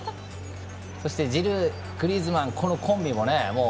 そして、ジルー、グリーズマンこのコンビもね